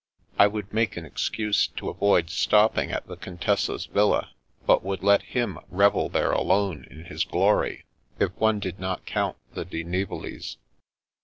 I would make an excuse to avoid stopping at the Contessa's villa, but would let him revd there alone in his glory ; if one did not count the Di Nivolis.